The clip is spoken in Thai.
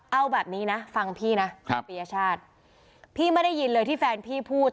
เอาแบบนี้นะฟังพี่นะปียชาติพี่ไม่ได้ยินเลยที่แฟนพี่พูด